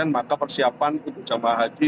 maka persiapan untuk jemaah haji